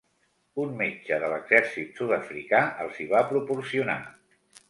Un metge de l'exèrcit sud-africà els hi va proporcionar.